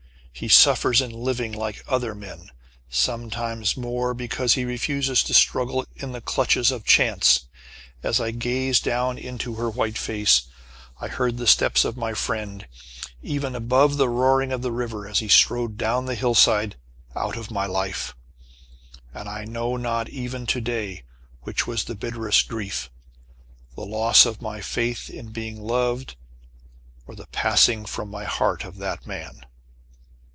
He suffers in living like other men sometimes more, because he refuses to struggle in the clutches of Chance! As I gazed down into her white face, I heard the steps of my friend, even above the roaring of the river, as he strode down the hillside, out of my life! And I know not even to day which was the bitterest grief, the loss of my faith in being loved, or the passing from my heart of that man!